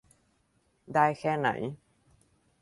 ได้แค่ไหน